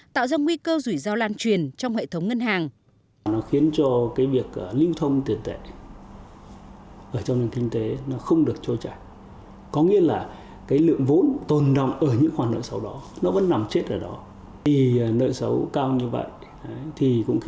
tạo ra nguy cơ rủi ro lan truyền trong hệ thống ngân hàng